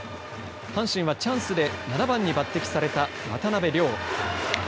阪神はチャンスで７番に抜てきされた渡邉諒。